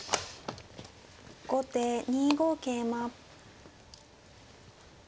後手２五桂馬。